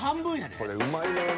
これうまいのよな。